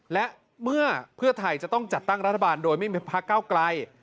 และเมื่อเพื่อไทยจะต้องจัดตั้งรัฐบาลโดยไม่มีพระเก้าไกล